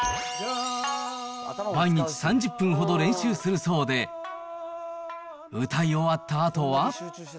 毎日３０分ほど練習するそうで、歌い終わったあとは。